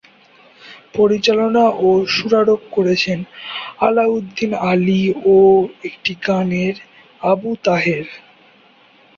পরিচালনা ও সুরারোপ করেছেন আলাউদ্দিন আলী ও একটি গানের "আবু তাহের"।